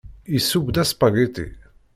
Yesseww-d aspagiti.